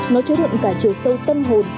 nó chứa được cả chiều sâu tâm hồn